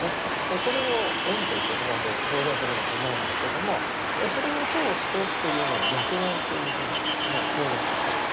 これを縁という言葉で表現するんだと思うんですけどもそれを通してというのを歴縁というふうに表現いたしました。